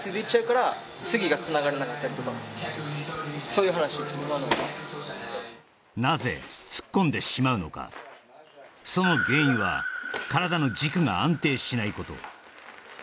そういう話ですなぜ突っ込んでしまうのかその原因は体の軸が安定しないこと